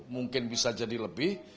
mungkin bisa jadi lebih